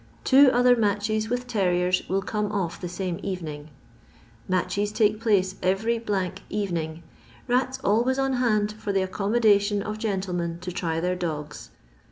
Tito Uhfr Matches with Terrierg will come tfff the mmt Evening, Matches take place every Evening. Rata always on hand for the accommodation of Gentlemen to try their dof^s.